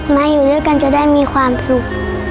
มาอยู่ด้วยกันจะได้มีความสุข